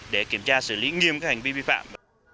để kiểm tra xử lý nghiêm các hành vi vi phạm